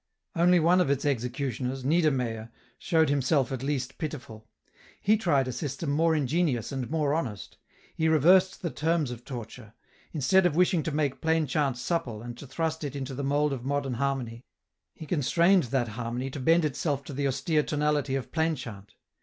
One only of its executioners, Niedermayer, showed himself at least pitiful. He tried a system more ingenious and more honest. He reversed the terms of torture. Instead of wishing to make plain chant supple and to thrust it into the mould of modern harmony, he constrained that harmony to bend itself to the austere tonality of plain chant.